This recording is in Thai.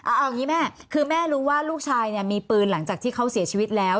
เอาอย่างนี้แม่คือแม่รู้ว่าลูกชายเนี่ยมีปืนหลังจากที่เขาเสียชีวิตแล้ว